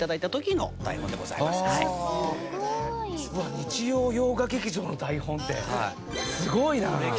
『日曜洋画劇場』の台本ってすごいな。